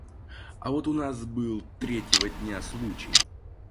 А вот у нас был третьего дня случай